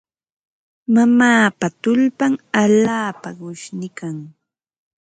Mamaapa tullpan allaapa qushniikan.